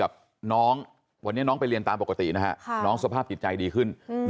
กับน้องวันนี้น้องไปเรียนตามปกตินะฮะน้องสภาพจิตใจดีขึ้น